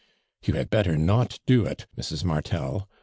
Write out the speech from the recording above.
"You had better not do it, Mrs. Mar tel!"